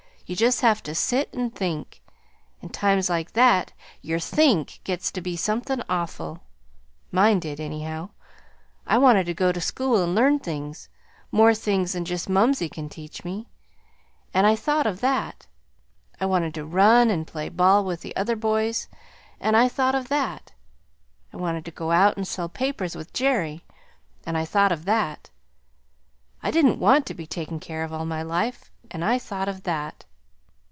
"You just have to sit and think; and times like that your THINK gets to be something awful. Mine did, anyhow. I wanted to go to school and learn things more things than just mumsey can teach me; and I thought of that. I wanted to run and play ball with the other boys; and I thought of that. I wanted to go out and sell papers with Jerry; and I thought of that. I didn't want to be taken care of all my life; and I thought of that."